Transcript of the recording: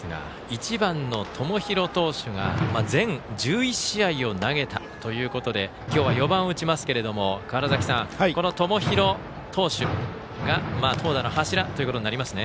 １番の友廣投手が全１１試合を投げたということで今日は４番を打ちますが川原崎さん、友廣投手が投打の柱となりますね。